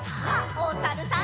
おさるさん。